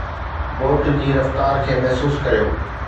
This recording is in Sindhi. بوٽ جي رفتار کي محسوس ڪريو